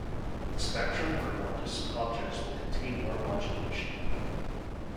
The spectrum for more distant objects will contain more modulation.